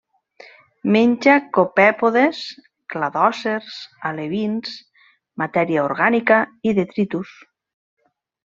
Menja copèpodes, cladòcers, alevins, matèria orgànica i detritus.